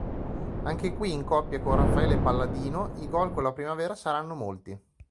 Anche qui, in coppia con Raffaele Palladino, i gol con la Primavera saranno molti.